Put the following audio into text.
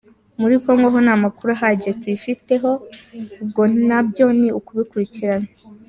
Muri Congo ho nta makuru ahagije tubifiteho, ubwo nabyo ni ukubikurikirana.